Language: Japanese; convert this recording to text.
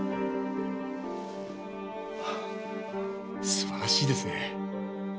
素晴らしいですね。